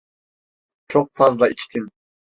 Çok fazla içtin.